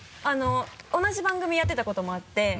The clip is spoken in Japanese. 同じ番組をやってたこともあって。